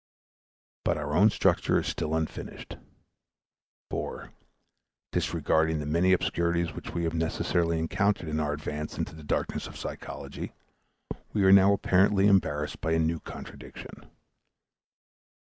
But our own structure is still unfinished. For, disregarding the many obscurities which we have necessarily encountered in our advance into the darkness of psychology, we are now apparently embarrassed by a new contradiction.